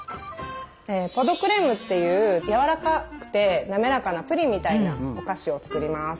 「ポ・ド・クレーム」っていうやわらかくて滑らかなプリンみたいなお菓子を作ります。